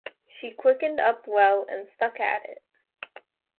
She quickened up well and stuck at it.